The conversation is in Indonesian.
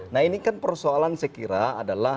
nah ini kan persoalan saya kira adalah